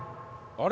あれ？